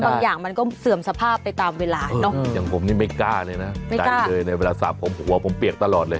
บางอย่างมันก็เสื่อมสภาพไปตามเวลาเนอะอย่างผมนี่ไม่กล้าเลยนะใจเลยในเวลาสาบผมหัวผมเปียกตลอดเลย